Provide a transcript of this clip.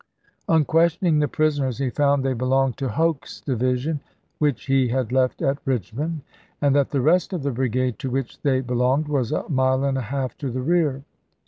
On questioning the prisoners, he found they belonged to Hoke's division, which he had left at Richmond; and that the rest of the brigade to which they be longed was a mile and a half to the rear.